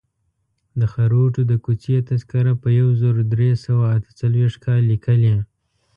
د خروټو د کوڅې تذکره په یو زر درې سوه اته څلویښت کال لیکلې.